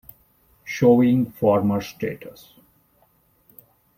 Showing former status.